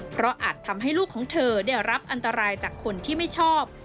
เพราะอาจทำให้ลูกของเธอได้รับอันตรายจากคนที่ไม่ชอบ